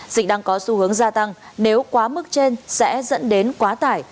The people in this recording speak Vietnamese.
dịch đang có xu hướng gia tăng nếu quá mức trên sẽ dẫn đến quá tải